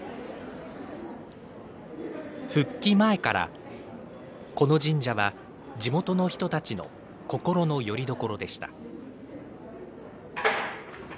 復帰前からこの神社は地元の人たちの心のよりどころでした。